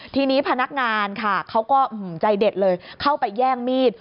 ทีนี้พนักงานค่ะเขาก็ใจเด็ดเลยเข้าไปแย่งมีด